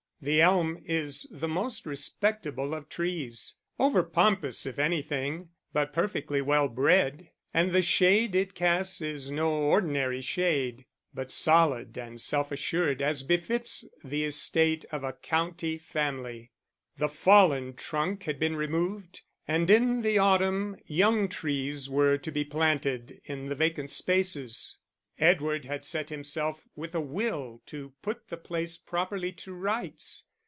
The elm is the most respectable of trees, over pompous if anything, but perfectly well bred; and the shade it casts is no ordinary shade, but solid and self assured as befits the estate of a county family. The fallen trunk had been removed, and in the autumn young trees were to be planted in the vacant spaces. Edward had set himself with a will to put the place properly to rights.